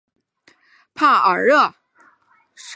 莱塞帕尔热。